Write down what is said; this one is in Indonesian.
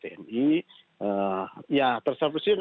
ya terserah presiden apakah dia akan memberikan kepentingan